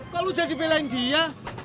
kok lo jadi belain dia